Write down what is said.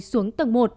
xuống tầng một